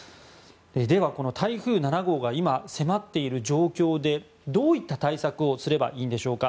では、台風７号が今迫っている状況でどういった対策をすればいいんでしょうか。